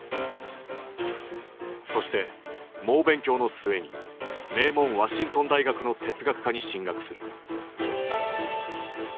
そして猛勉強の末に名門ワシントン大学の哲学科に進学する。